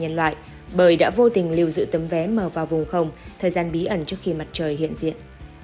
nhân loại bởi đã vô tình lưu giữ tấm vé mở vào vùng không thời gian bí ẩn trước khi mặt trời hiện diện